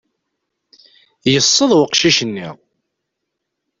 Yesseḍ uqcic-nni.